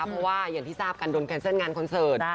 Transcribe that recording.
เพราะว่าอย่างที่ทราบกันโดนแคนเซิลงานคอนเสิร์ต